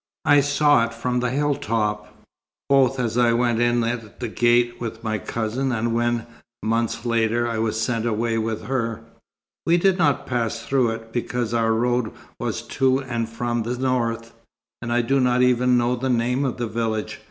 I saw it from the hill top, both as I went in at the gate with my cousin, and when, months later, I was sent away with her. We did not pass through it, because our road was to and from the north; and I do not even know the name of the village.